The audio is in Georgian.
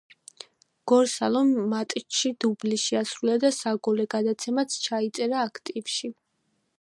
გონსალომ მატჩში დუბლი შეასრულა და საგოლე გადაცემაც ჩაიწერა აქტივში.